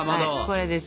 これですよ。